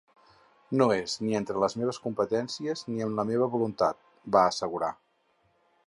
No és ni entre les meves competències ni en la meva voluntat, va assegurar.